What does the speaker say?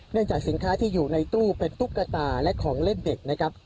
จากสินค้าที่อยู่ในตู้เป็นตุ๊กตาและของเล่นเด็กนะครับ